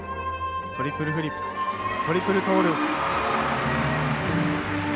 トリプルフリップトリプルトウループ。